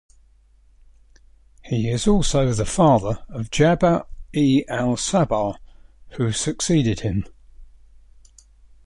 He is also the father of Jaber I Al-Sabah who succeeded him.